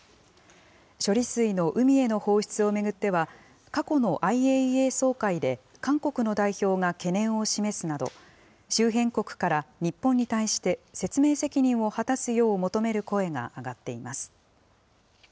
処理水の海への放出を巡っては、過去のＩＡＥＡ総会で韓国の代表が懸念を示すなど、周辺国から日本に対して、説明責任を果たすよう求める声が上がっています。